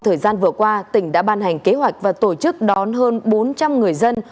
thời gian vừa qua tỉnh đã ban hành kế hoạch và tổ chức đón hơn bốn trăm linh người dân